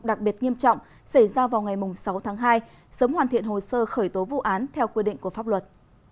đặc biệt nghiêm trọng xảy ra vào ngày sáu tháng hai sớm hoàn thiện hồ sơ khởi tố vụ án theo quy định của pháp luật